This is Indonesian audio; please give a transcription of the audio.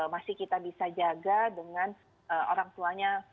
masih kita bisa jaga dengan orang tuanya